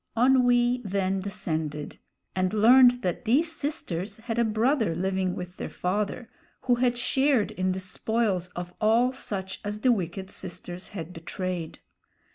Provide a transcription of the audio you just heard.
Onwee then descended, and learned that these sisters had a brother living with their father, who had shared in the spoils of all such as the wicked sisters had betrayed.